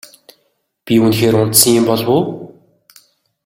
Би үнэхээр унтсан юм болов уу?